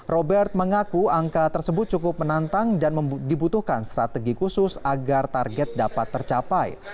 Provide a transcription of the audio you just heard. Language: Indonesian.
robert mengaku angka tersebut cukup menantang dan dibutuhkan strategi khusus agar target dapat tercapai